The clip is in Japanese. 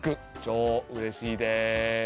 超うれしいです。